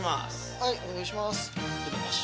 はいお願いします。